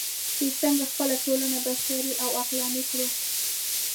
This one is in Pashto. چې څنګه خپله ټولنه بشري او عقلاني کړو.